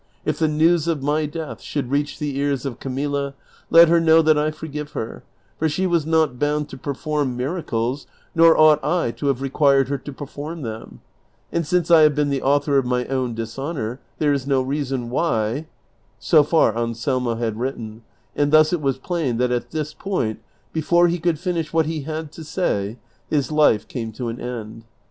If the CHAPTER XXXVI. 307 news of my death should reach the ears of Camilla, let her know that I forgive her, for she was not bound to perform miracles, nor ought I to have required her to perform them ; and since I have been the author of my own dislionor, there is no reason why "— So far Anselmo had written, and thus it was plain that at this point, before he could finish what lie had to say, his life came to an end.